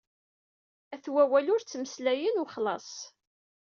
At Wawal ur ttmeslayen wexlaṣ.